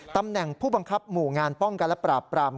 ตำแหน่งผู้บังคับหมู่งานป้องกันและปราบปราม